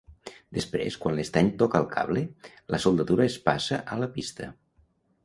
Després, quan l'estany toca el cable, la soldadura es passa a la pista.